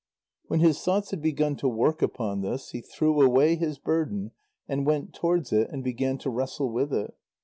When his thoughts had begun to work upon this, he threw away his burden and went towards it and began to wrestle with it.